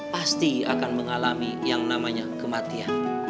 pasti akan mengalami yang namanya kematian